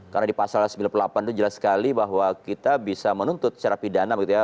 karena di pasal sembilan puluh delapan itu jelas sekali bahwa kita bisa menuntut secara pidana begitu ya